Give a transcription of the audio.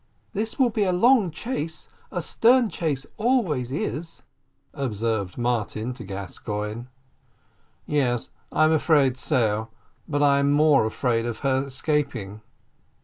"This will be a long chase; a stern chase always is," observed Martin to Gascoigne. "Yes, I'm afraid so but I'm more afraid of her escaping."